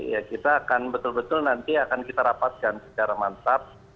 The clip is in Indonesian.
ya kita akan betul betul nanti akan kita rapatkan secara mantap